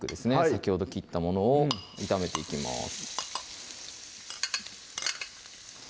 先ほど切ったものを炒めていきます